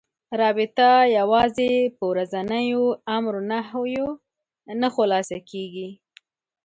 رابطه یوازې په ورځنيو امر و نهيو نه خلاصه کېږي.